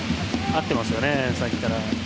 合ってますよね、さっきから。